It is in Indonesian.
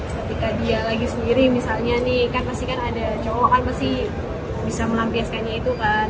ketika dia lagi sendiri misalnya nih kan pasti kan ada cowok kan pasti bisa melampiaskannya itu kan